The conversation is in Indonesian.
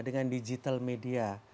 dengan digital media